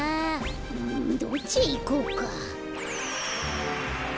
うんどっちへいこうか？